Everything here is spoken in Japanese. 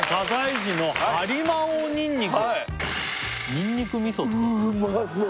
にんにく味噌うまそう